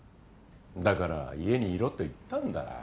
だから家にいろと言ったんだ。